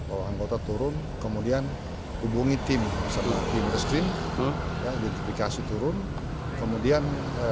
anggota turun kemudian hubungi tim masyarakat di industri identifikasi turun kemudian